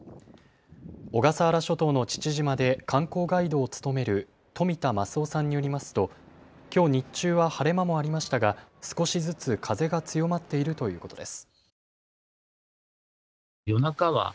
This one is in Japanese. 小笠原諸島の父島で観光ガイドを務める冨田益生さんによりますときょう日中は晴れ間もありましたが少しずつ風が強まっているということです。